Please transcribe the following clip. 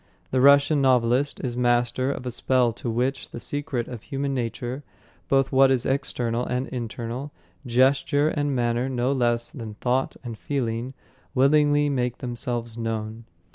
The Russian novelist is master of a spell to which the secret of human nature both what is external and internal, gesture and manner no less than thought and feeling willingly make themselves known...